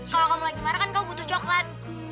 kalau kamu lagi marah kan kamu butuh coklat